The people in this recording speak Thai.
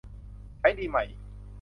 ใช้ดีไหม